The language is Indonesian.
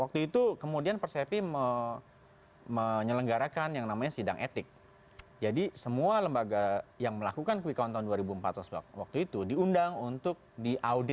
terima kasih pak bung kondi